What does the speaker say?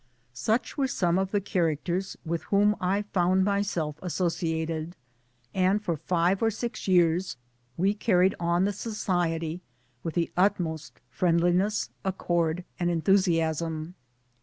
Such were some of the characters with whom I found myself associated, and for five or six years we carried on the Society with the utmost friendli ness, accord and enthusiasm.